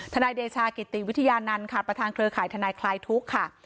ทเลชกิตตีวิทยานานผฎเคลอร์ไข่ทคลายทุกข์